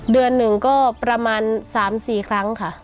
เดือนหนึ่งก็ประมาณ๓๔ครั้งค่ะ